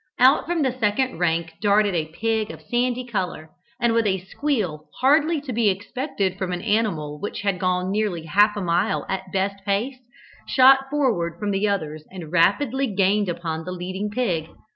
Out from the second rank darted a pig of a sandy colour, and with a squeal hardly to be expected from an animal which had gone nearly half a mile at best pace, shot forward from the others and rapidly gained upon the leading pig.